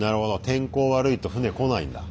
天候悪いと船来ないんだ。